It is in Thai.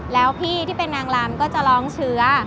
แล้วพี่ที่เป็นนางลำก็จะร้องเชื้อ